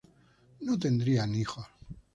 No tendrían hijos.